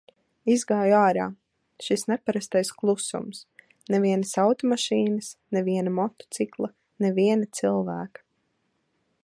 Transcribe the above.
Izgāju ārā, šis neparastais klusums, nevienas automašīnas, ne viena motocikla, ne viena cilvēka.